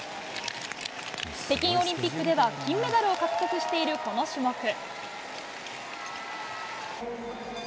北京オリンピックでは銀メダルを獲得しているこの種目。